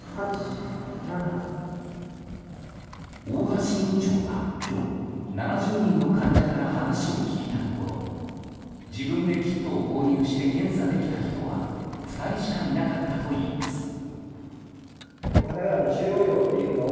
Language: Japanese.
大橋院長が今日７０人の患者から話を聞いたところ自分でキットを購入して検査できた人は２人しかいなかったといいます。